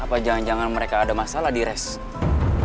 apa jangan jangan mereka ada masalah di resto